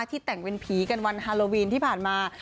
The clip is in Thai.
แต่งเป็นผีกันวันฮาโลวีนที่ผ่านมา